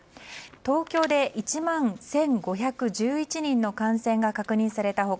東京で１万１５１１人の感染が確認された他